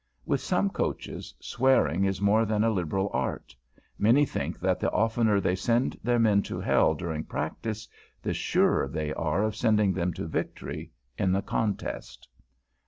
With some Coaches, swearing is more than a liberal art; many think that the oftener they send their men to Hell during practice, the surer they are of sending them to Victory in the contest.